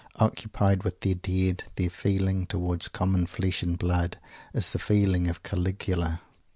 Occupied with their Dead, their feeling towards common flesh and blood is the feeling of Caligula.